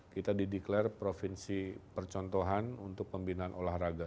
kita di declare provinsi percontohan untuk pembinaan olahraga